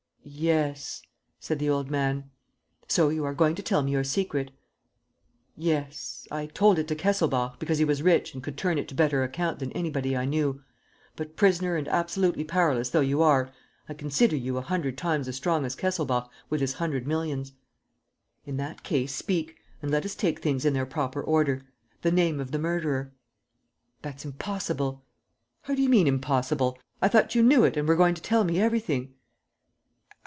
"Yes," said the old man. "So you are going to tell me your secret?" "Yes, I told it to Kesselbach, because he was rich and could turn it to better account than anybody I knew; but, prisoner and absolutely powerless though you are, I consider you a hundred times as strong as Kesselbach with his hundred millions." "In that case, speak; and let us take things in their proper order. The name of the murderer?" "That's impossible." "How do you mean, impossible? I thought you knew it and were going to tell me everything!"